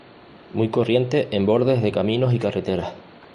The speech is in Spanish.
Muy corriente en bordes de caminos y carreteras.